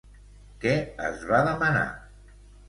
Què es va demanar?